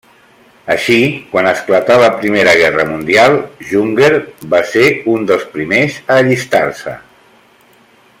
Així, quan esclatà la Primera Guerra mundial, Jünger va ser un dels primers a allistar-se.